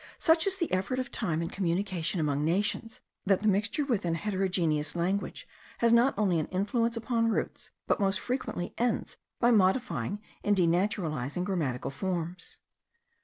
Such is the effect of time, and communication among nations, that the mixture with an heterogenous language has not only an influence upon roots, but most frequently ends by modifying and denaturalizing grammatical forms.